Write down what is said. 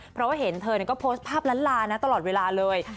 เพราะว่าเห็นเธอก็โพสต์ภาพล้านลานะตลอดเวลาเลย